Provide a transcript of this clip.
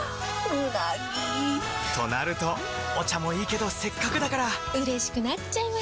うなぎ！となるとお茶もいいけどせっかくだからうれしくなっちゃいますか！